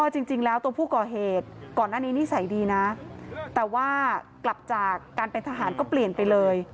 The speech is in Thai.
แต่กลัวพูดหลุกแล้วร้านปิดตู้ไม่ให้ไม่เปิดตู้ที่